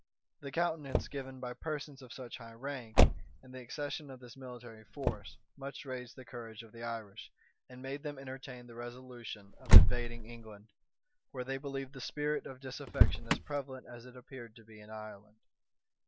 The countenance given by persons of such high rank, and the accession of this military force, much raised the courage of the Irish, and made them entertain the resolution of invading England, where they believed the spirit of disaffection as prevalent as it appeared to be in Ireland.